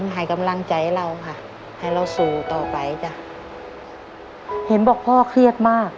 ให้กำลังใจเราค่ะให้เราสู่ต่อไปจ้ะเห็นบอกพ่อเครียดมาก